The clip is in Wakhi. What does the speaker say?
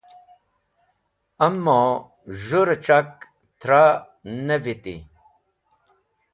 Amo z̃hũ rec̃hak tra ne viti.